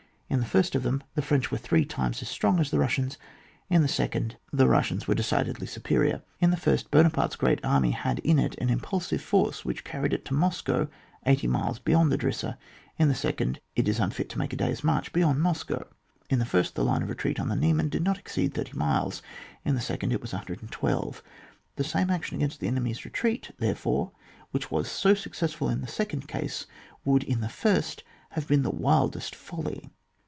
In the first of them the French were three times as strong as the Bussians ; in the second, the Bussians were deci 164 ON WAR. [book VI. dedlj superior. In the first, Buona parte's great army had in it an impulsive lorce which carried it to Moscow 80 miles beyond Drissa : in the second , it is unfit to make a day's march beyond Moscow ; in the first, the line of retreat on the Niemen did not exceed 30 miles : in the second it was 112. The same action against the enemy's retreat therefore, which was so successful in the second case, would, in the first, have been the wildest folly.